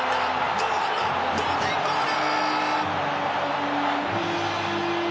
堂安の同点ゴール！